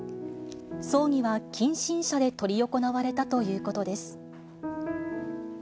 葬儀は近親者で執り行われたということです。